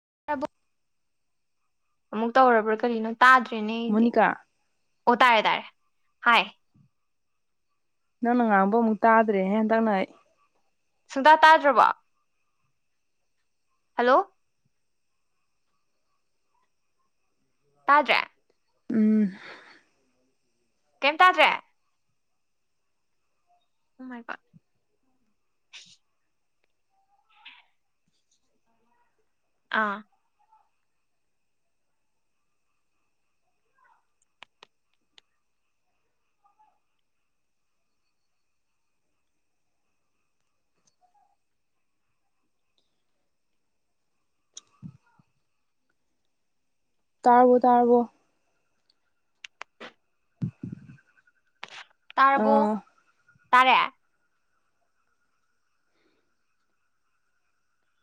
[inaudible] ꯑꯃꯨꯛ ꯇꯧꯔꯕ꯭ꯔꯥ ꯀꯔꯤꯅꯣ꯫ ꯇꯥꯗ꯭ꯔꯦꯅꯦ ꯑꯩꯗꯤ ꯃꯣꯅꯤꯀꯥ ꯑꯣ ꯇꯥꯔꯦ ꯇꯥꯔꯦ꯫ ꯍꯥꯏ꯫ ꯅꯪꯅ ꯉꯥꯡꯕ ꯃꯨꯛꯇꯥꯗ꯭ꯔꯦꯍꯦ ꯍꯟꯇꯛꯅ ꯑꯩ꯫ ꯁꯨꯡꯇꯥ ꯇꯥꯗ꯭ꯔꯕꯣ꯫ ꯍꯦꯜꯂꯣ꯫ ꯇꯥꯗ꯭ꯔꯦ ꯎꯝ꯫ ꯀꯩꯝ ꯇꯥꯗ꯭ꯔꯦ꯫ ꯑꯣ ꯃꯥꯏ ꯒꯣꯗ ꯑꯥ꯫ ꯇꯥꯔꯕꯣ ꯇꯥꯔꯕꯣ꯫ ꯇꯥꯔꯕꯣ꯫ ꯇꯥꯔꯦ꯫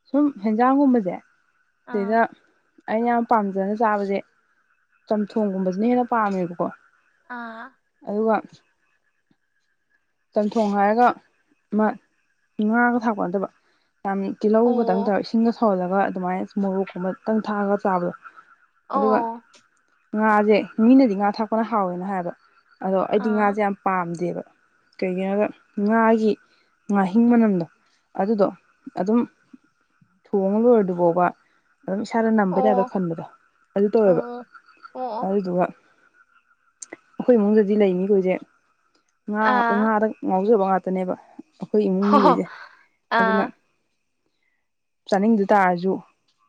ꯁꯨꯝ ꯍꯦꯟꯖꯥꯡꯒꯨꯝꯕꯁꯦ꯫ ꯑꯥ ꯗꯩꯗ꯫ ꯑꯩꯅ ꯌꯥꯝ ꯄꯥꯝꯖꯅ ꯆꯥꯕꯁꯦ ꯆꯝꯊꯣꯡꯒꯨꯝꯕꯁꯤꯅ ꯍꯦꯟꯅ ꯄꯥꯝꯃꯦꯕꯀꯣ꯫ ꯑꯥ ꯑꯗꯨꯒ꯫ ꯆꯝꯊꯣꯡ ꯍꯥꯏꯔꯒ ꯑꯃ ꯉꯥꯒ ꯊꯥꯛꯄ ꯅꯠꯇꯕ꯫ ꯌꯥꯝ ꯇꯤꯜꯍꯧ ꯈꯛꯇꯪ ꯑꯣ ꯇꯧꯔ ꯏꯁꯤꯡꯒ ꯁꯧꯍꯜꯂ꯫ ꯑꯗꯨꯃꯥꯏꯅ ꯃꯣꯔꯣꯛꯀꯨꯝꯕꯇꯪ ꯊꯥꯛꯑꯒ ꯆꯥꯕꯗꯣ꯫ ꯑꯗꯨꯒ ꯑꯣ꯫ ꯉꯥꯁꯦ ꯃꯤꯅꯗꯤ ꯉꯥ ꯊꯥꯛꯄꯅ ꯍꯥꯎꯋꯦꯅ ꯍꯥꯏꯕ꯫ ꯑꯗꯣ ꯑꯩꯗꯤ ꯑꯥ ꯉꯥꯁꯦ ꯌꯥꯝ ꯄꯥꯝꯗꯦꯕ꯫ ꯀꯩꯒꯤꯅꯣꯗ ꯉꯥꯒꯤ ꯉꯥꯍꯤꯡ ꯃꯅꯝꯗꯣ ꯑꯗꯨꯗꯣ ꯑꯗꯨꯝ ꯊꯣꯡꯉ ꯂꯣꯏꯔꯗꯨ ꯐꯥꯎꯕ꯫ ꯑꯗꯨꯝ ꯏꯁꯥꯗ ꯅꯝꯕ [unintelligible] ꯑꯣ ꯈꯟꯕꯗꯣ ꯑꯗꯨ ꯇꯧꯋꯦꯕ ꯑꯣ ꯑꯣ ꯑꯗꯨꯗꯨꯒ꯫ ꯑꯩꯈꯣꯏ ꯏꯃꯨꯡꯗꯗꯤ ꯂꯩꯅꯤꯈꯣꯏꯁꯦ꯫ ꯑꯥ꯫ ꯉꯥꯎꯖꯕ ꯉꯥꯛꯇꯅꯦꯕ꯫ ꯑꯩꯈꯣꯏ ꯏꯃꯨꯡ ꯍꯣꯍꯣ ꯃꯤꯈꯣꯏꯁꯦ ꯑꯗꯨꯅ ꯑꯥ꯫ ꯆꯥꯅꯤꯡꯗ ꯇꯥꯔꯁꯨ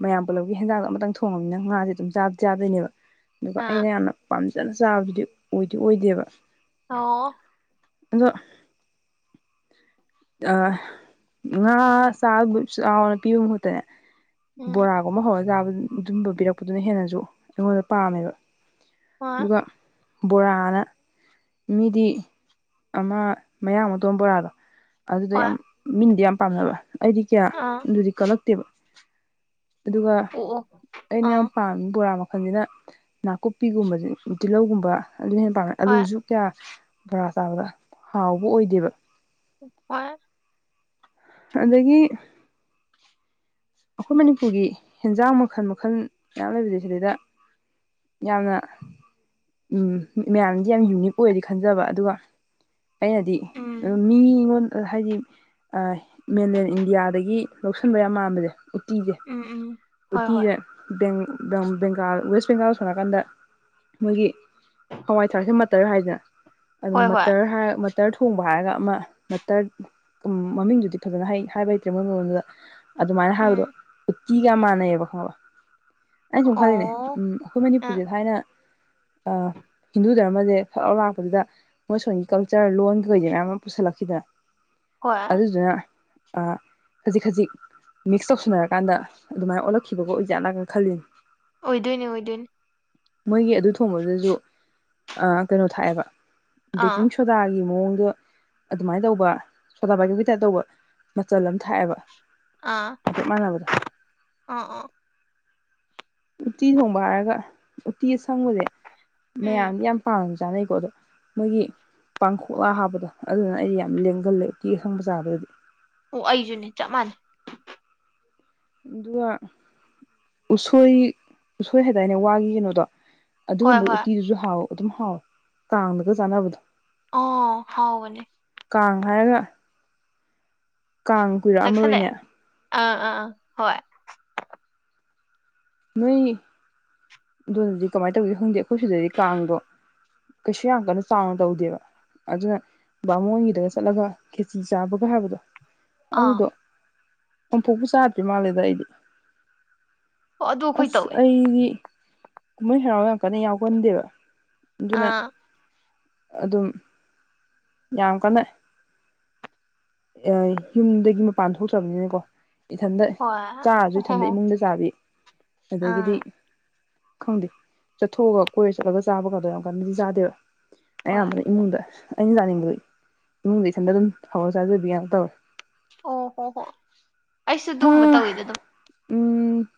ꯃꯌꯥꯝ ꯄꯨꯜꯂꯞꯒꯤ ꯍꯦꯟꯖꯥꯡꯗꯣ ꯑꯃꯇꯪ ꯊꯣꯡꯉꯃꯤꯅꯤꯅ ꯉꯥꯁꯦ ꯑꯗꯨꯝ ꯆꯥꯗꯤ ꯆꯥꯗꯣꯏꯅꯦꯕ꯫ ꯑꯗꯨꯒ ꯑꯥ ꯑꯩꯅ ꯌꯥꯝꯅ ꯄꯥꯝꯖꯩ ꯐꯖꯅ ꯆꯥꯕꯗꯨꯗꯤ ꯑꯣꯏꯗꯤ ꯑꯣꯏꯗꯦꯕ ꯑꯣꯥꯎ ꯑꯗꯣ ꯑ ꯉꯥ ꯆꯥ ꯆꯥꯎꯅ ꯄꯤꯕ ꯃꯍꯨꯠꯇꯅꯦ ꯎꯝ ꯕꯣꯔꯥꯒꯨꯝꯕ ꯍꯥꯕ ꯑꯗꯨꯕꯕꯤꯔꯛꯄ ꯑꯗꯨꯅ ꯍꯦꯟꯅꯁꯨ ꯑꯩꯉꯣꯟꯗ ꯄꯥꯝꯃꯦꯕ ꯍꯣꯏ ꯑꯗꯨꯒ ꯕꯣꯔꯥꯅ ꯃꯤꯗꯤ ꯑꯃ ꯃꯌꯥꯃꯛꯇꯣꯡ ꯕꯣꯔꯥꯗꯣ ꯑꯗꯨꯗꯤ ꯌꯥꯝ ꯍꯣꯏ ꯃꯤꯟꯗꯤꯌꯥ ꯌꯥꯝ ꯄꯥꯝꯅꯕ ꯑꯩꯗꯤ ꯀꯌꯥ ꯑꯥ ꯑꯗꯨꯗꯤ ꯀꯜꯂꯛꯇꯦꯕ ꯑꯗꯨꯒ ꯑꯣ ꯑꯩꯅ ꯌꯥꯝ ꯑꯣ ꯄꯥꯝꯃꯤ ꯕꯣꯔꯥ ꯃꯈ ꯐꯖꯅ ꯅꯥꯀꯨꯞꯄꯤꯒꯨꯝꯕꯕꯁꯤ ꯇꯤꯜꯍꯧꯒꯨꯝꯕ ꯑꯗꯨ ꯍꯦꯟꯅ ꯄꯥꯝꯃꯦ ꯑꯥ ꯑꯂꯨꯁꯨ ꯀꯌꯥ ꯕꯔꯥ ꯆꯥꯕꯗ ꯍꯥꯎꯕ ꯑꯣꯏꯗꯦꯕ ꯍ ꯑꯗꯒꯤ ꯑꯩꯈꯣꯏ ꯃꯅꯤꯄꯨꯔꯒꯤ ꯍꯦꯟꯖꯥꯡ ꯃꯈꯜ ꯃꯈꯜ ꯃꯌꯥꯝ ꯂꯩꯕꯁ ꯁꯤꯗꯩꯗ ꯌꯥꯝꯅ ꯃꯌꯥꯝꯗꯤ ꯌꯥꯝ ꯌꯨꯅꯤꯛ ꯑꯣꯏꯔꯗꯤ ꯈꯟꯖꯕ ꯑꯗꯨꯒ ꯑꯩꯅꯗꯤ ꯎꯝ ꯃꯤꯉꯣꯟ ꯍꯥꯏꯗꯤ ꯃꯦꯟꯂꯦꯟ ꯏꯟꯗꯤꯌꯥꯗꯒꯤ ꯂꯧꯁꯤꯟꯕ ꯌꯥꯝ ꯃꯥꯟꯕꯁꯦ ꯎꯇꯤꯁꯦ ꯎꯝ ꯎꯝ ꯍꯣꯏ ꯍꯣꯏ ꯎꯇꯤꯁꯦꯦꯡ ꯕꯦꯡꯒꯥꯜ ꯋꯦꯁ ꯕꯦꯡꯒꯥꯜ ꯁꯥꯟꯉꯀꯥꯟꯗ ꯃꯣꯏꯒꯤ ꯍꯋꯥꯏ ꯊꯔꯥꯛꯁꯦ ꯃꯠꯇꯔ ꯍꯥꯏꯗꯅ ꯑꯗꯨ ꯍꯣꯏ ꯍꯣꯏ ꯃꯇꯔ ꯍꯥꯏꯔ ꯇꯇꯔ ꯊꯣꯡꯕ ꯍꯥꯏꯔꯒ ꯑꯃ ꯅꯇꯔ ꯃꯃꯤꯡꯗꯨꯗꯤ ꯐꯖꯅ ꯍꯥꯏꯕ ꯍꯩꯇ꯭ꯔꯦ ꯃꯣꯏ ꯃꯣꯟꯗꯨꯗ ꯑꯗꯨꯃꯥꯏꯅ ꯍꯥꯏꯣ ꯎꯝ ꯀ ꯀꯃꯅꯦ ꯑꯦꯕ ꯈ ꯑꯩ ꯁꯨꯝ ꯈꯜꯂꯤꯅꯦ ꯑꯣ ꯎꯝ ꯑꯩꯈꯣꯏ ꯑ ꯃꯅꯤꯄꯨꯔꯁꯦ ꯊꯥꯏꯅ ꯍꯤꯟꯗꯨ ꯗꯙꯔꯃꯁꯦ ꯐꯛꯥꯎ ꯂꯥꯛꯄꯗꯨꯗ ꯃꯣꯏ ꯁꯣꯟꯝꯒꯤ ꯀꯜꯆꯔ ꯂꯣꯟ ꯀꯩꯁꯦ ꯃꯌꯥꯝ ꯑꯃ ꯄꯨꯁꯜꯂꯛꯈꯤꯗꯅ ꯍꯣꯏ ꯑꯗꯨꯗꯨꯅ ꯑ ꯈꯖꯤꯛ ꯈꯖꯤꯛ ꯃꯤ ꯁꯝꯅ ꯍꯥꯏꯔꯀꯥꯟꯗ ꯑꯗꯨꯃꯥꯏꯅ ꯑꯣꯜꯂꯛꯈꯤꯕꯒ ꯑꯣꯏꯖꯥꯠ ꯅꯥꯒꯅ ꯈꯜꯂꯤꯅꯤ ꯑꯣꯏꯗꯣꯏꯅꯦ ꯑꯣꯏꯗꯣꯏꯅꯤ ꯃꯣꯏꯒꯤ ꯑꯗꯨ ꯊꯣꯡꯕꯗꯁꯨ ꯀꯩꯅꯣ ꯊꯥꯛꯑꯦꯕ ꯑꯥ ꯕꯦꯀꯤꯡ ꯁꯣꯗꯥꯒꯤ ꯃꯑꯣꯡꯗꯣ ꯑꯗꯨꯃꯥꯏꯅ ꯇꯧꯕ ꯁꯣꯗꯥꯕꯥꯏꯒꯞꯀꯤ ꯇꯥꯏꯞ ꯇꯧꯕ ꯃꯆꯜ ꯑꯃ ꯊꯥꯛꯑꯦꯕ ꯑꯥ ꯍꯥꯏꯐꯦꯠ ꯃꯥꯟꯅꯕꯗꯣ ꯑꯥ ꯑꯥ ꯎꯠꯇꯤ ꯊꯣꯡꯕ ꯍꯥꯏꯔꯒ ꯎꯇꯤ ꯑꯁꯪꯕꯁꯦ ꯎꯝ ꯃꯌꯥꯝꯗꯤ ꯌꯥꯝ ꯄꯥꯝꯃꯤꯁꯦ ꯆꯥꯅꯩꯀꯣ ꯑꯗꯣ ꯃꯣꯏꯒꯤ ꯄꯥꯡꯈꯣꯛꯂꯥ ꯍꯥꯞꯄꯗꯣ ꯑꯗꯨꯗꯨꯅ ꯑꯩꯗꯤ ꯌꯥꯝ ꯂꯦꯡꯒꯜꯂꯦ ꯎꯇꯤ ꯑꯁꯪ ꯆꯥꯕꯗꯗꯤ ꯑꯣ ꯑꯩꯁꯨꯅꯦ ꯆꯞ ꯃꯥꯟꯅꯩ ꯑꯗꯨꯒ ꯎꯁꯣꯏ ꯎꯁꯣꯏ ꯍꯥꯏꯗꯥꯏꯅꯦ ꯋꯥꯒꯤ ꯀꯩꯅꯣꯗꯣ ꯍꯣꯏ ꯑꯗꯨꯒꯨꯝꯕ ꯍꯣꯏ ꯎꯇꯤꯗꯨꯁꯨ ꯍꯥꯎ ꯑꯗꯨꯝ ꯍꯥꯎꯋꯦ ꯀꯥꯡꯗꯒ ꯆꯥꯅꯕꯗꯣ ꯑꯣ ꯍꯥꯎꯕꯅꯦ ꯀꯥꯡ ꯍꯥꯏꯔꯒ ꯀꯥꯡ ꯀꯨꯏꯔꯛꯑꯝꯃꯔꯣꯏꯅꯦ ꯅꯛꯁꯜꯂꯛꯑꯦ ꯑꯥ ꯑꯥ ꯑꯥ ꯍꯣꯏ ꯅꯣꯏ ꯑꯗꯨꯗꯗꯤ ꯀꯃꯥꯏ ꯇꯧꯒꯦ ꯈꯪꯗꯦ ꯑꯩꯈꯣꯏ ꯁꯤꯗꯗꯤ ꯀꯥꯡꯗꯣ ꯀꯩꯁꯨ ꯌꯥꯝ ꯀꯟꯅ ꯆꯥꯎꯅ ꯇꯧꯗꯦꯕ ꯑꯗꯨꯅ ꯕꯥꯃꯣꯟꯒꯤꯗꯒ ꯆꯠꯂꯒ ꯈꯦꯆꯤ ꯆꯥꯕꯒ ꯍꯥꯏꯕꯗꯣ ꯑꯥ ꯑꯗꯨꯗꯣ ꯑꯝꯐꯣꯛꯄꯨ ꯆꯥꯗ꯭ꯔꯤ ꯃꯥꯜꯂꯦꯗ ꯑꯩꯗꯤ ꯑꯣ ꯑꯗꯨ ꯑꯩꯈꯣꯏ ꯑꯁ ꯇꯧꯋꯦ ꯑꯩꯗꯤ ꯀꯨꯝꯍꯩ ꯍꯔꯥꯎ ꯌꯥꯝ ꯀꯟꯅ ꯌꯥꯎꯒꯟꯗꯦꯕ ꯑꯗꯨꯅ ꯑꯥ ꯑꯗꯨꯝ ꯌꯥꯝ ꯀꯟꯅ ꯑ ꯌꯨꯝꯗꯒꯤ ꯃꯄꯥꯟ ꯊꯣꯛꯇ꯭ꯔꯕꯅꯤꯅꯀꯣ ꯏꯊꯟꯗ ꯍꯣꯏ ꯆꯥꯔꯁꯨ ꯏꯊꯟꯗ ꯑꯣꯍꯣ ꯏꯃꯨꯡꯗ ꯆꯥꯕꯤ ꯑꯗꯒꯤꯗꯤ ꯑꯥ ꯈꯪꯗꯦ ꯆꯠꯊꯣꯛꯑꯒ ꯀꯣꯏꯔ ꯆꯠꯂꯒ ꯆꯥꯕ ꯀꯥꯗꯣ ꯌꯥꯝ ꯀꯟꯅꯗꯤ ꯆꯥꯗꯦꯕ ꯍꯣꯏ ꯑꯌꯥꯝꯕꯅ ꯏꯃꯨꯡꯗ ꯑꯩꯅ ꯆꯥꯅꯤꯡꯕꯖꯦ ꯏꯃꯨꯡꯗ ꯏꯊꯟꯗ ꯑꯗꯨꯝ ꯍꯧꯔ ꯆꯥꯖꯕꯤ ꯉꯥꯛ ꯇꯧꯋꯦ ꯑꯣ ꯍꯣ ꯍꯣ ꯑꯩꯁꯨ ꯑꯗꯨꯝꯕ ꯍꯥ ꯇꯧꯋꯤꯗ ꯑꯗꯨꯝ ꯎꯝ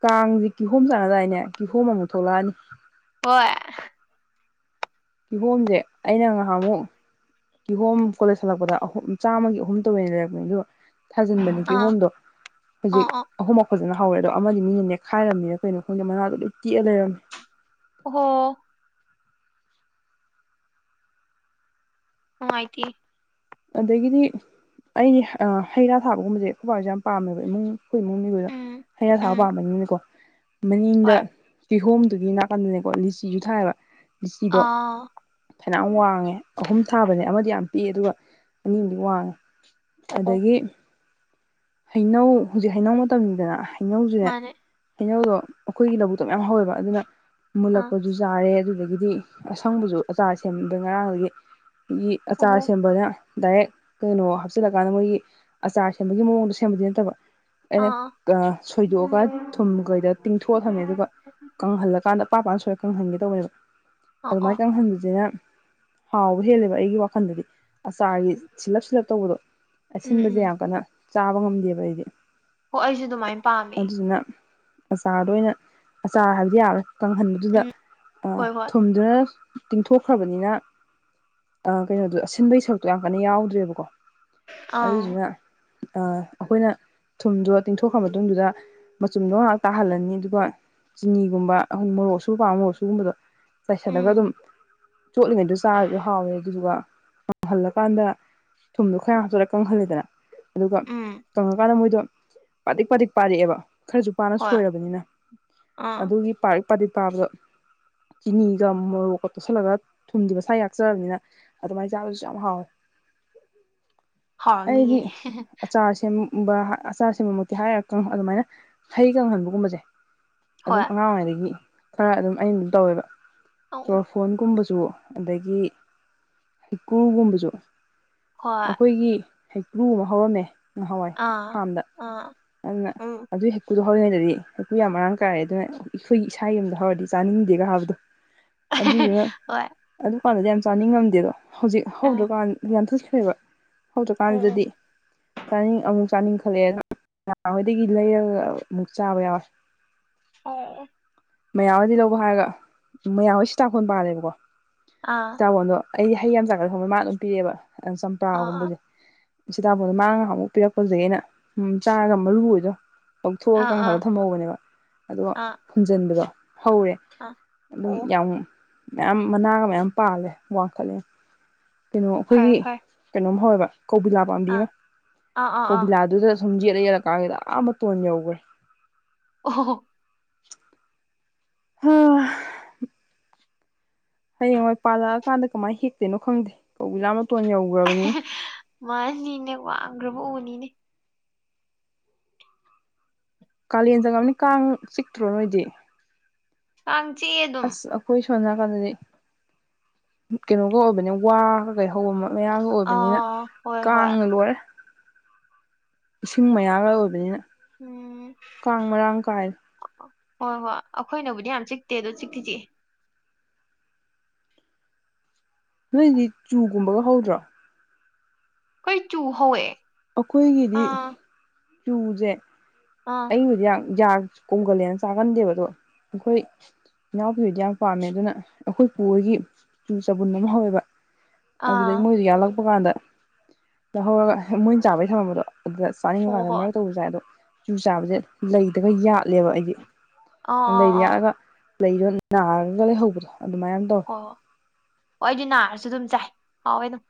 ꯀꯥꯡꯁꯦ ꯀꯤꯍꯣꯝ ꯆꯥꯅꯗꯥꯏꯅꯦ ꯀꯤꯍꯣꯝ ꯑꯃꯨꯛ ꯊꯣꯛꯂꯛꯑꯅꯤ ꯍꯣꯏ ꯀꯤꯍꯣꯝꯁꯦ ꯑꯩꯅ ꯉꯍꯥꯛꯃꯨꯛ ꯀꯤꯍꯣꯝ ꯀꯣꯂꯦꯖ ꯍꯜꯂꯛꯄꯗ ꯑꯍꯨꯝ ꯆꯥꯝꯃꯒꯤ ꯑꯍꯨꯝ ꯇꯧꯋꯦꯅ ꯂꯩꯔꯛꯄꯅꯦ ꯑꯗꯨꯒ ꯊꯥꯖꯤꯟꯕꯅꯤ ꯀꯤꯍꯣꯝꯗꯣ ꯑꯥ ꯍꯧꯖꯤꯛ ꯑꯥ ꯑꯍꯨꯝꯃꯛ ꯐꯖꯅ ꯍꯧꯋꯦ ꯑꯗꯣ ꯑꯃꯗꯤ ꯃꯤꯅ ꯅꯦꯛꯈꯥꯏꯔꯝꯃꯤꯔ ꯀꯩꯅꯣ ꯈꯪꯗꯦ ꯃꯅꯥꯗꯣ ꯂꯣꯏ ꯇꯦꯛꯑ ꯂꯩꯔꯝꯃꯦ ꯑꯣ ꯍꯣ ꯅꯨꯡꯉꯥꯏꯇꯦ ꯑꯗꯒꯤꯗꯤ ꯑꯩꯗꯤ ꯍꯩ ꯔꯥ ꯊꯥꯕꯒꯨꯝꯕꯁꯦ ꯈꯨꯣꯏꯕꯥꯥ ꯍꯣꯏꯁꯦ ꯌꯥꯝ ꯄꯥꯝꯃꯦꯕ ꯏꯃꯨꯡ ꯑꯩꯈꯣꯏ ꯏꯃꯨꯡ ꯃꯤꯈꯣꯏꯗ ꯎꯝ ꯍꯩꯔꯥ ꯊꯥꯕ ꯎꯝ ꯄꯥꯝꯕꯅꯤꯅꯀꯣ ꯃꯅꯤꯡꯗ ꯍꯣꯏ ꯀꯤꯍꯣꯝ ꯑꯗꯨꯒꯤ ꯅꯥꯀꯟ ꯗꯅꯦꯀꯣ ꯂꯤꯆꯤꯖꯨ ꯊꯥꯏꯌꯦꯕ ꯂꯤꯆꯤꯗꯣ ꯑꯥ ꯐꯅꯌꯥꯝ ꯋꯥꯡꯉꯦ ꯑꯍꯨꯝ ꯊꯥꯕꯅꯦ ꯑꯃꯗꯤ ꯌꯥꯝ ꯄꯤꯛ ꯑ‌ꯦ ꯑꯗꯨꯒ ꯑꯅꯤ ꯑꯝꯗꯤ ꯋꯥꯡꯉꯦ꯫ ꯑꯣꯍꯣ ꯑꯗꯒꯤ ꯍꯩꯅꯧ ꯍꯧꯖꯤꯛ ꯍꯩꯅꯧ ꯃꯇꯝꯅꯤꯗꯅ ꯍꯧꯅꯧꯖꯦ ꯃꯥꯅꯦ ꯍꯩꯅꯧꯗꯣ ꯑꯩꯈꯣꯏꯒꯤ ꯂꯧꯕꯨꯛꯇꯣ ꯃꯌꯥꯝ ꯍꯧꯋꯦꯕ ꯑꯗꯨꯅ ꯑꯥ ꯃꯨꯂꯛꯄꯖꯨ ꯌꯥꯥꯔꯦ ꯑꯗꯨ ꯑꯗꯒꯤꯗꯤ ꯑꯁꯪꯕꯁꯨ ꯑꯆꯥꯔ ꯁꯦꯝꯕ ꯉꯔꯥꯡꯗꯒꯤ꯫ ꯑꯗꯥꯒꯤ ꯑꯆꯥꯔ ꯑꯣꯍꯣ ꯁꯦꯝꯕꯗ ꯗꯥꯏꯔꯦꯛ ꯀꯩꯅꯣ ꯍꯥꯞꯆꯤꯜꯂ ꯀꯥꯟꯗ ꯃꯣꯏꯒꯤ ꯑꯆꯥꯔ ꯁꯦꯝꯕꯒꯤ ꯃꯑꯣꯡꯗꯣ ꯁꯦꯝꯕꯥꯗꯤ ꯅꯠꯇꯕ ꯑꯥ ꯑꯩꯅ ꯑꯥ ꯑꯡ ꯁꯣꯏꯗꯣꯛꯑꯒ ꯊꯨꯝꯒꯗ ꯇꯤꯡꯊꯣꯛꯑ ꯊꯝꯃꯦ ꯑꯗꯨꯒ ꯀꯪꯍꯜꯂꯀꯥꯟꯗ ꯄꯥ ꯄꯄꯥꯟ ꯁꯣꯏꯨꯔꯀꯅꯨ ꯍꯟꯒꯦ ꯇꯧꯕꯑꯦꯕ꯫ ꯑꯣ ꯑꯗꯨꯃꯥꯏ ꯑꯣ ꯀꯪꯍꯟꯂꯤꯖꯤꯅ ꯍꯥꯎꯕ ꯍꯦꯜꯂꯦꯕ ꯑꯩꯒꯤ ꯋꯥꯈꯜꯗꯗꯤ ꯑꯆꯥꯔꯒꯤ ꯁꯤꯜꯂꯞ ꯁꯤꯜꯂꯞ ꯇꯧꯕꯗꯣ꯫ ꯎꯝ ꯑꯁꯤꯟꯕꯖꯦ ꯎꯝ ꯌꯥꯝ ꯀꯟꯅ ꯆꯥꯕ ꯉꯝꯗꯦꯕ ꯑꯩꯗꯤ꯫ ꯍꯣ ꯑꯩꯖꯨ ꯑꯗꯨꯃꯥꯏꯅ ꯄꯥꯝꯃꯦ꯫ ꯑꯆꯥꯔꯗꯨ ꯑꯣꯏꯅ ꯑꯆꯥꯔ ꯍꯥꯏꯕꯗꯤ ꯌꯥꯔꯔꯣꯢ꯫ ꯀꯪꯍꯟꯕꯗꯨꯗ ꯍꯣꯏ ꯍꯣꯏ ꯊꯨꯝꯗꯨꯅ ꯇꯤꯡꯊꯣꯛꯈ꯭ꯔꯕꯅꯤꯅ ꯑꯥ ꯀꯩꯅꯣꯗꯣ ꯑꯁꯤꯟꯕꯩ ꯁꯔꯨꯛꯇꯣ ꯌꯥꯝ ꯀꯟꯅ ꯌꯥꯎꯗ꯭ꯔꯦꯕꯀꯣ꯫ ꯑꯪ ꯑꯗꯨꯗꯨꯅꯥ [unintelligible] ꯑꯩꯈꯣꯏꯅ ꯊꯨꯝꯗꯣ ꯇꯤꯡꯊꯣꯛꯈ꯭ꯔꯕ ꯃꯇꯨꯡꯗꯨꯗ ꯃꯆꯨꯝꯗꯣ ꯉꯥꯏꯍꯥꯛ ꯇꯥꯍꯜꯂꯅꯤ ꯑꯗꯨꯒ ꯆꯤꯅꯤꯒꯨꯝꯕ ꯑꯩꯈꯣꯏ ꯃꯣꯔꯣꯛ ꯑꯁꯨꯕꯥ ꯄꯥꯝꯃ ꯃꯣꯔꯣꯛ ꯑꯁꯨꯕꯒꯨꯝꯕꯗꯣ ꯎꯝ ꯆꯥꯏꯁꯤꯜꯂꯒ ꯑꯗꯨꯝ ꯆꯣꯠꯂꯤꯉꯩꯗꯣ ꯆꯥꯕꯗ ꯍꯥꯎꯋꯦ ꯑꯗꯨꯗꯨꯒ ꯉꯪꯍꯜꯂꯀꯥꯟꯗ ꯊꯨꯝꯗꯣ ꯈꯔ ꯍꯥꯞꯆꯤꯂ ꯀꯪꯍꯜꯂꯦꯗꯅ ꯑꯗꯨꯒ ꯎꯝ ꯀꯪꯉꯀꯥꯟꯗ ꯃꯣꯏꯗꯣ ꯄꯥꯊ꯭ꯔꯤꯛ ꯄꯥꯊ꯭ꯔꯤꯛ ꯄꯥꯔꯛꯑꯦꯕ꯫ ꯈꯔꯁꯨ ꯄꯥꯅ ꯍꯣꯏ ꯁꯣꯏꯔꯕꯅꯤꯅ ꯑꯥ ꯑꯗꯨꯒꯤ ꯄꯥꯔꯛ ꯄꯥꯊꯤꯛ ꯄꯥꯕꯗꯣ ꯆꯤꯅꯤꯒ ꯃꯣꯔꯣꯛꯀ ꯇꯣꯠꯁꯤꯜꯂꯒ ꯊꯨꯝꯗꯤ ꯃꯁꯥꯒꯤ ꯌꯥꯛꯆꯥꯔꯃꯤꯅ ꯑꯗꯨꯃꯥꯏꯅ ꯆꯥꯕꯗꯨꯁꯨ ꯌꯥꯝ ꯍꯥꯎꯋꯦ꯫ ꯍꯥꯎꯅꯤꯌꯦ [unintelligible] ꯑꯆꯥ ꯁꯦꯝꯕ ꯑꯆꯥꯔ ꯁꯦꯝꯕꯃꯛꯇꯤ ꯍꯥꯏꯔ ꯑꯗꯨꯃꯥꯏꯅ ꯍꯩ ꯀꯪꯍꯟꯕꯒꯨꯝꯕꯁꯦ ꯍꯣꯏ ꯑꯗꯨꯝ ꯑꯉꯥꯡ ꯑꯣꯢꯔꯤꯉꯩꯗꯒꯤ ꯈꯔ ꯑꯗꯨꯝ ꯑꯩꯅ ꯑꯗꯨꯝ ꯇꯧꯋꯦꯕ ꯑꯪ ꯎꯝ ꯆꫭꯔꯐꯣꯟ ꯀꯨꯝꯕ ꯁꯨ ꯑꯗꯒꯤ ꯍꯤꯀ꯭ꯔꯨꯒꯨꯝꯕꯁꯨ ꯍꯣꯏ ꯑꯩꯈꯣꯏꯒꯤ ꯍꯩꯀ꯭ꯔꯨ ꯑꯃ ꯍꯧꯔꯝꯃꯦ ꯅꯍꯥꯟꯋꯥꯏ ꯑꯥ ꯐꯥꯔꯝꯗ ꯑꯥ ꯑꯗꯨꯅ ꯎꯝ ꯑꯗꯨꯏ ꯍꯩꯀꯔꯨ ꯑꯗꯨ ꯍꯧꯔꯤꯉꯩꯗꯗꯤ ꯑꯩꯈꯣꯏ ꯌꯥꯝ ꯃꯔꯥꯡ ꯀꯥꯏꯔꯦ ꯑꯗꯨꯅ ꯑꯩꯈꯣꯏꯒꯤ ꯏꯁꯥ ꯌꯨꯝꯗ ꯍꯧꯔꯗꯤ ꯆꯥꯅꯤꯡꯗꯦꯒ ꯍꯥꯏꯕꯗꯣ ꯑꯗꯨꯗ ꯍꯣꯏ ꯑꯗꯨ ꯐꯅꯗꯤ ꯌꯥꯝ ꯆꯥꯅꯤꯡꯉꯝꯗꯦꯗꯣ ꯍꯧꯖꯤꯛ ꯍꯧ ꯎꯝ ꯀꯥꯟꯊ ꯑꯣꯏꯕ ꯎꯝ ꯍꯧꯗ꯭ꯔꯀꯥꯟꯁꯤꯗꯗꯤ ꯆꯥꯅꯤꯡ ꯑꯃꯨꯛ ꯆꯥꯅꯤꯡꯈꯠꯂꯑꯦꯅ ꯅꯍꯥꯟ ꯍꯣꯏꯗꯒꯤ ꯂꯩꯔꯒ ꯑꯃꯨꯛ ꯆꯥꯕ ꯌꯥꯎꯋꯦ ꯍ ꯃꯌꯥꯝꯍꯗꯤ ꯂꯧꯕ ꯍꯥꯏꯔꯒ ꯃꯌꯥꯍꯣꯏ ꯁꯤꯇꯥꯥꯛꯈꯣꯟ ꯄꯥꯜꯂꯦꯕꯀꯣ ꯑꯥ ꯁꯤꯇꯥꯕꫭꯟꯗꫭ ꯑꯩ ꯍꯩ ꯌꯥꯝ ꯆꯥꯡꯒꯠ ꯊꯣꯡꯕꯩ ꯃꯥꯅ ꯑꯗꯨꯝ ꯄꯤꯔꯦꯕ ꯑꯥ ꯑꯥ ꯆꯝꯇ꯭ꯔꯒꯨꯝꯕꯁꯦ ꯁꯤꯇꯥꯕꯣꯟꯗ ꯃꯥꯡꯉꯒ ꯑꯃꯨꯛ ꯄꯤꯔꯛꯄꯁꯤꯗꯒꯤ ꯑꯩꯅ ꯆꯥꯔꯒ ꯃꯔꯨ ꯑꯣꯏꯗꯣ ꯂꯧꯊꯣꯛꯑꯒ ꯑꯥ ꯀꯥꯡꯊꯅꯕ ꯊꯝꯍꯧꯕꯅꯦꯕ ꯑꯗꯨꯒ ꯑꯥ ꯗ ꯍꯧꯔꯦ ꯑꯥ ꯑꯗꯨꯝ ꯑꯣ ꯌꯥꯝ ꯃꯌꯥꯝ ꯃꯅꯥꯒ ꯃꯌꯥꯝ ꯄꯥꯜꯂꯦ ꯋꯥꯡꯈꯠꯂꯦ ꯀꯩꯅꯣ ꯐꯔꯦ ꯑꯩꯈꯣꯏꯒꯤ ꯐꯔꯦ ꯀꯩꯅꯣꯝ ꯐꯋꯦꯕ ꯀꯧꯕꯤꯂꯥ ꯄꯥꯝꯕꯤ ꯑꯥ ꯑꯃ ꯑꯥ ꯑꯥ ꯑꯥ ꯀꯧꯕꯤꯂꯥꯗꯨꯗ ꯁꯨꯝꯖꯤꯂ ꯌꯦꯂꯀꯥꯟꯁꯤꯗ ꯑꯥ ꯃꯇꯣꯟ ꯌꯧꯈ꯭ꯔꯦ ꯑꯣ ꯍ ꯍꯌꯦꯡꯋꯥꯏ ꯄꯥꯜꯂꯛꯑꯀꯥꯟꯗ ꯀꯃꯥꯏꯅ ꯍꯦꯛꯇꯦꯅꯣ ꯈꯪꯗꯦ ꯀꯧꯕꯖꯥ ꯃꯥꯅꯤꯅꯦ ꯋꯥꯡꯒ꯭ꯔꯕ ꯎ ꯏꯅꯦ ꯀꯥꯂꯦꯟ ꯆꯡꯉꯝꯅꯤꯅ ꯀꯥꯡ ꯆꯤꯛꯇ꯭ꯔꯣ ꯅꯣꯏꯗꯤ [unintelligible] ꯆꯦ ꯑꯗꯨꯝ ꯑꯁ ꯑꯩꯈꯣꯏ ꯁꯣꯝ ꯅꯥꯀꯟꯗꯗꯤ ꯀꯩꯅꯣꯒ ꯑꯣꯏꯕꯅꯦ ꯋꯥ ꯀꯩꯀꯩ ꯍꯧꯕ ꯃꯔꯛ ꯃꯌꯥꯝꯒ ꯑꯣꯏꯕꯅꯤꯅ ꯑꯥ ꯍꯣꯏ ꯍꯣꯏ ꯀꯥꯡꯅ ꯂꯣꯏꯔꯦ ꯏꯁꯤꯡ ꯃꯌꯥꯒ ꯑꯣꯏꯕꯅꯤꯅ ꯎꯝ ꯀꯥꯡ ꯃꯔꯥꯡ ꯀꯥꯏ ꯍꯣꯏ ꯍꯣꯏ ꯑꯩꯈꯣꯏꯅꯕꯨꯗꯤ ꯌꯥꯝ ꯆꯤꯛꯇꯦ ꯑꯗꯣ ꯆꯤꯛꯇꯤ ꯆꯤꯛ ꯏ ꯅꯣꯏꯗꯤ ꯆꯨ ꯒꯨꯝꯕꯒ ꯍꯧꯗ꯭ꯔꯣ ꯑꯩꯈꯣꯏ ꯆꯨ ꯍꯧꯋꯦ ꯑꯩꯈꯣꯏꯒꯤꯗꯤ ꯑꯥ ꯆꯨꯖꯦ ꯑꯥ ꯑꯩꯕꯨꯗ ꯌꯥꯝ ꯌꯥ ꯀꯨꯝꯒꯜꯂꯦꯅ ꯆꯥꯒꯟꯗꯦꯕ ꯑꯗꯣ ꯑꯩꯈꯣꯏ ꯏꯅꯥꯎꯄꯤꯗꯨꯗꯤ ꯌꯥꯝ ꯄꯥꯝꯃꯦ ꯑꯗꯨꯅ ꯑꯩꯈꯣꯏ ꯄꯨꯍꯣꯏꯒꯤ ꯆꯨ ꯆꯕꯨꯟ ꯑꯃ ꯍꯧꯋꯦꯕ ꯑꯗꯨꯗꯒꯤ ꯑꯥ ꯃꯣꯏꯒꯤ ꯌꯥꯂꯛꯄ ꯒꯥꯟꯗ ꯍꯣꯏ ꯃꯣꯏꯅ ꯆꯥꯕꯩ ꯊꯃꯝꯕꯗꯣ ꯑꯗꯨꯗ ꯍꯣꯏ ꯆꯥꯅꯤꯡꯒꯒꯥꯟꯗ ꯍꯣꯏ ꯃꯔꯛꯇꯕꯨꯗꯤ ꯆꯥꯏ ꯑꯗꯣ ꯆꯨ ꯆꯥꯕꯁꯦ ꯂꯩꯗꯒ ꯌꯥꯠꯂꯦꯕ ꯑꯩꯗꯤ ꯑꯥ ꯑꯥ ꯂꯩꯗ ꯑꯥ ꯌꯥꯠꯂꯒ ꯂꯩꯗꯣ ꯅꯥꯔꯒ ꯂꯩꯍꯧꯕꯗꯣ ꯑꯗꯨꯃꯥꯏꯅ ꯇꯧ ꯍꯣꯏ ꯍꯣꯏ ꯍꯣꯏ ꯑꯩꯗꯤ ꯅꯥꯔꯁꯨ ꯑꯗꯨꯝ ꯆꯥꯏ ꯍꯥꯎꯋꯦ ꯑꯗꯨꯝ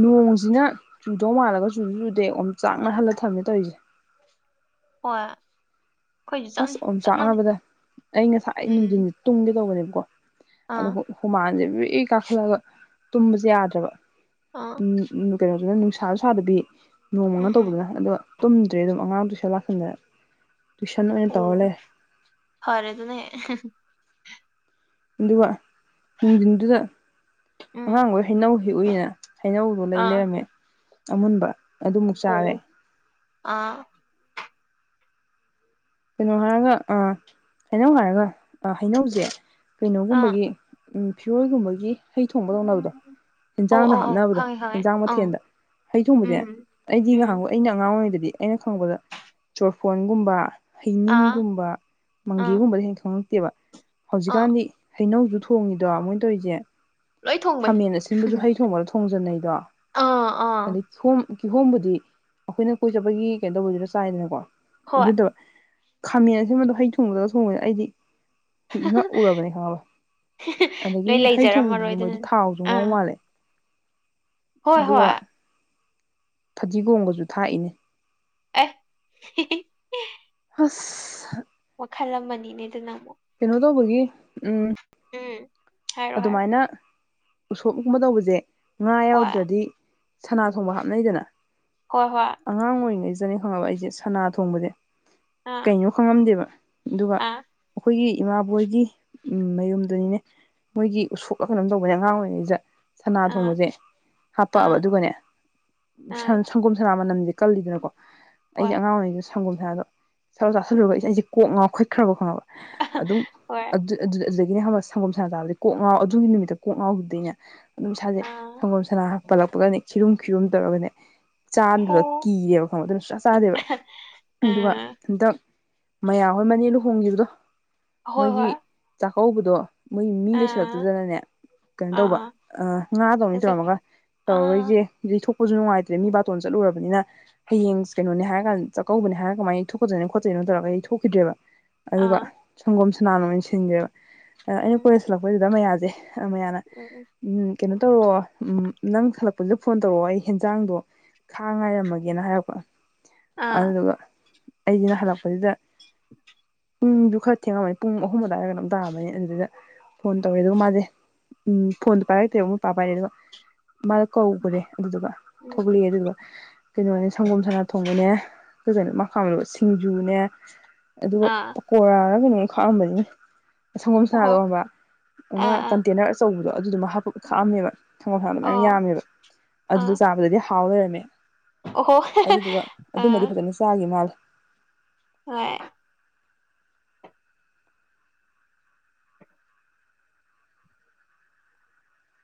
ꯅꯣꯡꯁꯤꯅ ꯆꯨꯗꯧ ꯃꯥꯜꯂꯒ ꯆꯨꯁꯨ ꯆꯨꯗꯦ ꯑꯣ ꯆꯥꯛꯅ ꯍꯜꯂ ꯊꯝꯃꯦ ꯇꯧꯔꯤꯁꯦ ꯍꯣꯏ꯫ ꯑꯩꯈꯣꯏꯁꯨ ꯑꯁ ꯆꯞꯅꯤ ꯑꯣꯝ ꯆꯞ ꯃꯥꯟꯅꯩ ꯆꯥꯛꯅꯕꯗ ꯑꯩ ꯉꯁꯥꯏ ꯅꯨꯡꯊꯤꯟ ꯎꯝ ꯇꯨꯡꯒꯦ ꯇꯧꯕꯅꯦꯕ ꯀꯣ ꯑꯥ ꯑꯗꯨꯕꯨ ꯍꯨꯃꯥꯡꯁꯦ ꯕꯔ꯭ꯤ ꯀꯥꯈꯠꯂꯒ ꯇꯨꯝꯕꯁꯦ ꯌꯥꯗ꯭ꯔꯕ ꯑꯥ ꯎꯝ ꯎꯝ ꯀꯩꯅꯣꯁꯤꯅ ꯅꯨꯡꯁꯥꯁꯨ ꯁꯥꯗꯕꯤ ꯎꯝ ꯅꯣꯡꯃꯪꯉ ꯎꯝ ꯇꯧꯕꯗ ꯑꯗꯣ ꯇꯨꯝꯗ꯭ꯔꯦ ꯑꯗꯨꯝ ꯑꯉꯥꯡ ꯇꯨꯏꯁꯟ ꯂꯥꯛꯁꯟꯗꯅ ꯑꯣꯏꯅ ꯇꯧꯔ ꯎꯝ ꯂꯩꯔꯦ ꯐꯔꯦꯗꯨꯅ ꯍꯦꯛ ꯑꯗꯨꯒ ꯅꯨꯡꯊꯤꯟꯗꯨꯗ ꯎꯝ ꯑꯉꯥꯡꯒꯣꯏ ꯍꯩꯅꯧ ꯍꯦꯛꯎꯏꯅ ꯍꯩꯅꯧꯗꯣ ꯂꯩ ꯑꯥ ꯂꯩꯔꯝꯃꯦ ꯑꯃꯨꯟꯕ ꯑꯗꯨꯃꯨꯛ ꯆꯥꯔꯦ ꯑꯣ ꯑꯥ ꯀꯩꯅꯣ ꯍꯥꯏꯔꯒ ꯑ ꯍꯩꯅꯧ ꯍꯥꯏꯔꯒ ꯑ ꯍꯩꯅꯧꯁꯦ ꯑꯥ ꯀꯩꯅꯣꯒꯨꯝꯕꯒꯤ ꯐꯤꯔꯣꯜꯒꯨꯝꯕꯒꯤ ꯍꯩ ꯊꯣꯡꯕ ꯇꯧꯅꯕꯗꯣ ꯑꯧ ꯍꯟꯖꯥꯡꯗ ꯑꯧ ꯑꯧ ꯍꯥꯞꯅꯕꯗꯣ ꯈꯪꯉꯦ ꯈꯪꯉꯦ ꯍꯟꯖꯥꯡ ꯑꯪ ꯃꯊꯦꯜꯗ ꯍꯩ ꯊꯣꯡꯕꯁꯦ ꯎꯝ ꯑꯩꯗꯤ ꯎꯝ ꯅꯥꯍꯟꯒꯣꯏ ꯑꯩꯅ ꯑꯉꯥꯡ ꯑꯣꯏꯔꯤꯉꯩꯗꯗꯤ ꯑꯩꯅ ꯈꯪꯕꯗ ꯆꯣꯔꯐꯣꯟꯒꯨꯝꯕ ꯑꯥ ꯍꯩꯅꯤꯡꯒꯨꯝꯕ ꯑꯥ ꯃꯪꯒꯤꯒꯨꯝꯕꯗꯩꯩ ꯍꯦꯟ ꯊꯣꯡ [unintelligible] ꯑꯥ ꯍꯧꯖꯤꯛꯀꯥꯟꯗꯤ ꯍꯩꯅꯧꯁꯨ ꯊꯣꯡꯉꯤꯗꯣ ꯃꯣꯏꯅ ꯇꯧꯔꯤꯁꯦ ꯂꯣꯏ ꯊꯣꯡꯕꯅꯤ ꯈꯥꯃꯦꯟ ꯑꯁꯤꯟꯕꯁꯨ ꯍꯩ ꯊꯣꯡꯕꯗ ꯊꯣꯡꯖꯟꯅꯩꯗꯣ ꯑꯥ ꯑꯥ ꯑꯗꯩ ꯊ ꯀꯤꯍꯣꯝꯕꯨꯗꯤ ꯑꯩꯈꯣꯏꯅ ꯀꯣꯏ ꯆꯠꯄꯒꯤ ꯀꯩꯅꯣ ꯇꯧꯕꯗꯨꯗ ꯆꯥꯏꯗꯅꯀꯣ ꯍꯣꯏ ꯗꯨꯗꯣ ꯈꯥꯃꯦꯟ ꯑꯁꯤꯟꯕꯗꯣ ꯍꯩ ꯊꯣꯡꯕꯗꯒ ꯊꯣꯡꯉꯦ ꯑꯩꯗꯤ ꯉꯛꯎꯔꯕꯅꯦ ꯈꯪꯉꯕ ꯂꯣꯏ ꯑꯗꯒꯤꯗꯤ ꯍꯩ ꯂꯩꯖꯔꯝꯃꯔꯣꯏ ꯊꯣꯡꯕꯗꯨꯁꯨ ꯃꯣꯏꯗꯤ ꯑꯗꯨꯅꯅꯦ ꯊꯥꯎꯁꯨ ꯉꯧ ꯑꯥ ꯃꯥꯜꯂꯦ ꯍꯣꯏ ꯑꯗꯨꯒ ꯍꯣꯏ ꯐꯗꯤꯒꯣꯝꯒꯁꯨ ꯊꯥꯛꯏꯅꯦ ꯑꯦ ꯑꯁ ꯋꯥꯈꯜ ꯑꯃꯅꯤꯅꯦ ꯑꯗꯨꯅꯃꯨꯛ ꯀꯩꯅꯣ ꯇꯧꯕꯒꯤ ꯎꯝ ꯎꯝ ꯍꯥꯏꯔꯣ ꯍꯥꯏꯔꯣ ꯑꯗꯨꯃꯥꯏꯅ ꯎꯁꯣꯞꯀꯨꯝꯕ ꯇꯧꯕꯁꯦ ꯉꯥ ꯍꯣꯏ ꯌꯥꯎꯗ꯭ꯔꯗꯤ ꯁꯅꯥ ꯊꯣꯡꯕ ꯍꯥꯞꯅꯩꯗꯅ ꯍꯣꯏ ꯍꯣꯏ ꯑꯉꯥꯡ ꯑꯣꯏꯔꯤꯉꯩ__ ꯐꯖꯅꯤ ꯈꯪꯉꯕ ꯑꯩꯁꯦ ꯁꯅꯥ ꯊꯣꯡꯕꯁꯦ ꯑꯥ ꯀꯩꯅꯣ ꯈꯪꯉꯝꯗꯦꯕ ꯑꯗꯨꯒ ꯑꯥ ꯑꯩꯈꯣꯏꯒꯤ ꯏꯃꯥꯕꯣꯏꯒꯤ ꯎꯝ ꯃꯌꯨꯝꯗꯨꯅꯤꯅꯦ ꯃꯣꯏꯒꯤ ꯎꯁꯣꯛꯑ ꯀꯩꯅꯣꯝ ꯇꯧꯕꯅꯦ ꯑꯉꯥꯡ ꯑꯣꯏꯔꯤꯉꯩꯗ ꯁꯅꯥ ꯑꯥ ꯊꯣꯡꯕꯁꯦ ꯍꯥꯄꯛꯑꯕ ꯑꯥ ꯑꯗꯨꯒꯅꯦ ꯑꯥ ꯁꯟ ꯁꯪꯒꯣꯝ ꯁꯅꯥ ꯃꯅꯝꯁꯦ ꯀꯜꯂꯤꯗꯅꯀꯣ ꯍꯣꯏ ꯑꯩꯁ ꯑꯉꯥꯡ ꯑꯣꯏꯔꯤꯉꯩꯗ ꯁꯪꯒꯣꯝꯁꯅꯥꯗꯣ ꯁꯔ ꯆꯥꯁꯤꯜꯂꯨꯔꯒ ꯑꯩꯁꯦ ꯀꯣꯛ ꯉꯥꯎ ꯈꯠꯈ꯭ꯔꯕ ꯈꯪꯉꯕ ꯑꯗꯨꯝ ꯍꯣꯏ ꯑꯗꯨ ꯑꯗꯨ ꯑꯗꯨꯗꯩ ꯑꯗꯒꯤꯅꯦ ꯈꯪꯕ ꯁꯡꯒꯣꯝ ꯁꯥꯟ ꯆꯥꯕꯖꯤ ꯀꯣꯛ ꯉꯥꯎ ꯑꯗꯨꯒꯤ ꯅꯨꯃꯤꯠꯇ ꯀꯣꯛ ꯉꯥꯎꯈꯤꯕꯗꯩꯅꯦ ꯑꯗꯨꯝ ꯁꯥꯖꯩ ꯑꯥ ꯁꯪꯒꯣꯝ ꯁꯅꯥ ꯄꯜꯂꯛꯄꯒꯅꯤ ꯈꯤꯔꯨꯝ ꯈꯤꯔꯨꯝ ꯇꯧꯔꯒꯅꯦ ꯍꯣ ꯆꯥꯗꯨꯗ ꯀꯤꯔꯦꯕ ꯈꯪꯉꯣ ꯑꯗꯨꯅ ꯁꯨꯡꯆꯥ ꯆꯥꯗꯦꯕ ꯑꯗꯨꯒ ꯑꯥ ꯍꯟꯗꯛ ꯃꯌꯥ ꯍꯣꯏ ꯃꯅꯤ ꯂꯨꯍꯣꯡꯒꯤꯕꯗꯣ ꯍꯣꯏ ꯍꯣꯏ ꯀꯧꯕꯗꯣ ꯃꯣꯏ ꯃꯤ ꯂꯩ [unintelligible] ꯑꯥ ꯇꯨꯗꯅꯅꯦ ꯀꯩꯅꯣ ꯑꯥ ꯇꯧꯕ ꯑꯥ ꯉꯥ ꯇꯧꯅꯤ ꯇꯧꯔꯝꯃꯒ ꯑꯥ ꯇꯧꯔꯔꯣꯏꯖꯦ ꯑꯩꯈꯣꯏꯁꯨ ꯅꯨꯡꯉꯥꯏꯇ꯭ꯔꯦ ꯃꯤ ꯕꯥꯇꯣꯟ ꯆꯠꯂꯨꯔꯕꯅꯤꯅ ꯍꯌꯦꯡ ꯀꯩꯅꯣꯅꯦ ꯍꯥꯏꯔ ꯀꯥꯟ ꯆꯥꯛꯀꯧꯕꯅꯦ ꯍꯥꯏꯔ ꯀꯃꯥꯏꯅ ꯌꯩꯊꯣꯛꯀꯗꯣꯏ ꯈꯣꯠꯇꯣꯏꯅꯣ ꯇꯧꯔꯒ ꯌꯩ ꯊꯣꯛꯈꯤꯗ꯭ꯔꯦꯕ ꯑꯗꯨꯒ ꯑꯥ ꯁꯪꯒꯣꯝ ꯁꯅ ꯑꯣꯏꯅ ꯁꯤꯟꯒ꯭ꯔꯦꯕ ꯑ ꯑ ꯩꯅ ꯎꯝ ꯀꯣꯂꯦꯁ ꯍꯂꯛ ꯁꯤꯗ ꯃꯌꯥꯁꯦ ꯍ ꯃꯌꯥꯅ ꯎꯝ ꯀꯩꯅꯣ ꯇꯧꯔꯛꯑꯣ ꯎꯝ ꯅꯪ ꯍꯜꯂꯛꯄꯁꯤꯗ ꯐꯣꯟ ꯇꯧꯔꯛꯑꯣ ꯑꯩ ꯍꯦꯟꯖꯥꯡꯗꯣ ꯈꯥꯛ ꯉꯥꯏꯔꯝꯃꯒꯦꯅ ꯍꯥꯏꯔꯛꯄ ꯑꯥ ꯑꯗꯨꯗꯨꯒ ꯑꯩꯖꯤꯅ ꯍꯜꯂꯛꯄꯁꯤꯗ ꯄꯨꯡꯗꯨ ꯈꯔ ꯊꯦꯡꯉꯝꯃꯅꯤ ꯄꯨꯡ ꯑꯍꯨꯝ ꯑꯗꯨꯋꯥꯏꯔ ꯀꯩꯅꯣꯝ ꯇꯥꯔꯝꯃꯅꯤ ꯑꯗꯨꯗꯩꯗ ꯐꯣꯟ ꯇꯧꯔꯦ ꯑꯗꯨꯒ ꯃꯥꯁꯦ ꯎꯝ ꯐꯣꯟꯗꯣ ꯄꯥꯏꯔꯛꯇꯦꯕ ꯃꯣꯏ ꯄꯥ ꯄꯥꯏꯔꯦ ꯑꯗꯨꯒ ꯃꯥꯗꯣ ꯀꯧꯒ꯭ꯔꯦ ꯑꯗꯨꯗꯨꯒ ꯎꯝ ꯊꯣꯛꯂꯛꯑꯦ ꯑꯗꯨꯗꯨꯒ ꯀꯩꯅꯣꯅꯦ ꯁꯪꯒꯣꯝ ꯁꯅꯥ ꯊꯣꯡꯕꯅꯦ [unintelligible] ꯁꯤꯡꯖꯨꯅꯦ ꯑꯗꯨꯒ ꯑꯥ ꯄꯀꯣꯔꯥꯔꯀꯩꯅꯣ ꯈꯥꯛꯑꯝꯕꯅꯤꯅꯦ ꯁꯪꯒꯣꯝ ꯑꯣꯍꯣ ꯁꯅꯥꯗꯣ ꯈꯪꯕ ꯑꯥ ꯑꯥ ꯀꯟꯇꯦꯅꯔ ꯇꯧꯕꯗꯣ ꯑꯗꯨ ꯍꯥꯞꯄ ꯈꯥꯛꯑꯝꯃꯦꯕ ꯊꯪꯒꯜ ꯈꯥꯡ ꯃꯌꯥꯝ ꯑꯣ ꯌꯥꯝꯃꯦꯕ ꯑꯗꯨꯗ ꯑꯥ ꯆꯥꯕꯗꯗꯤ ꯊꯥꯎꯋꯦꯝꯃꯦ ꯑꯣꯍꯣ ꯑꯗꯨꯗꯨꯒ ꯑꯗꯨꯃꯗꯤ ꯑꯥ ꯐꯖꯅ ꯆꯥꯈꯤ ꯃꯥꯜꯂꯦ ꯍꯣꯏ